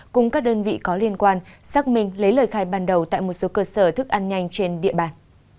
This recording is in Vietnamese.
cùng các đơn vị có liên quan xác minh lấy lời khai ban đầu tại một số cơ sở thức ăn nhanh trên địa bàn